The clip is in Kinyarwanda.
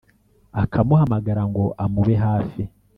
akamuhamagara ngo amube hafi,